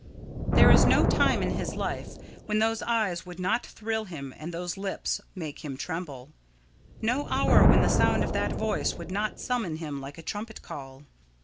There is no time in his life when those eyes would not thrill him and those lips make him tremble no hour when the sound of that voice would not summon him like a trumpet call.